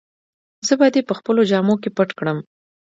زه به دي په خپلو جامو کي پټ کړم.